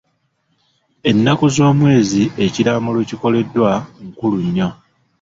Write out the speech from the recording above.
Ennaku z'omwezi ekiraamo lwe kikoleddwa nkulu nnyo.